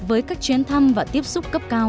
với các chuyến thăm và tiếp xúc cấp cao